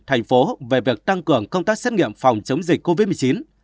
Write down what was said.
thành phố về việc tăng cường công tác xét nghiệm phòng chống dịch covid một mươi chín